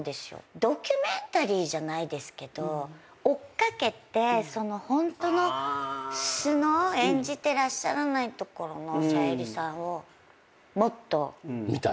ドキュメンタリーじゃないですけど追っ掛けてホントの素の演じてないとこの小百合さんをもっと国民に見せるべきだと。